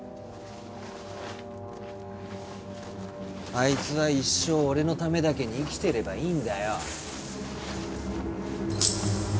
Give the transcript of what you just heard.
あいつは一生俺のためだけに生きてればいいんだよ。